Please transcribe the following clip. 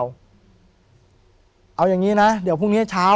ผมก็ไม่เคยเห็นว่าคุณจะมาทำอะไรให้คุณหรือเปล่า